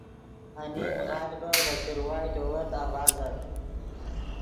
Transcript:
انیم غالڤے ڤے چروائے لووت آڤازت